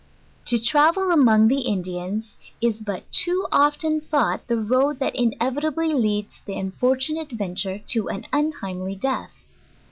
To travel among the Indians, is but to often thought the road that inevitably leads the unfortunate adventurer to an untimely death.